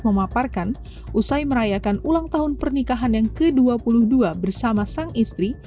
memaparkan usai merayakan ulang tahun pernikahan yang ke dua puluh dua bersama sang istri